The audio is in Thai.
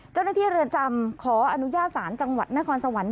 เจ้าหน้าที่เรือนจำขออนุญาสารจังหวัดนครสวรรค์